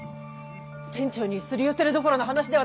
店長に擦り寄ってるどころの話ではない。